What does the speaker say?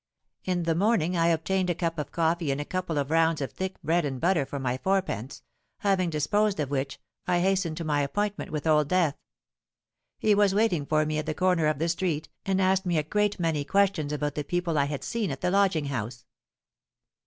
In the morning I obtained a cup of coffee and a couple of rounds of thick bread and butter for my fourpence: having disposed of which, I hastened to my appointment with Old Death. He was waiting for me at the corner of the street, and asked me a great many questions about the people I had seen at the lodging house.